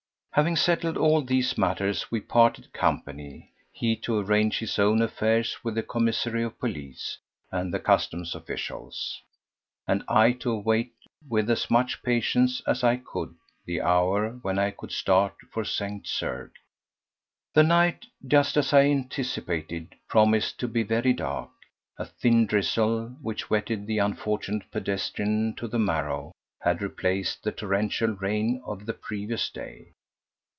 Having settled all these matters we parted company, he to arrange his own affairs with the Commissary of Police and the customs officials, and I to await with as much patience as I could the hour when I could start for St. Cergues. 4. The night—just as I anticipated—promised to be very dark. A thin drizzle, which wetted the unfortunate pedestrian to the marrow, had replaced the torrential rain of the previous day.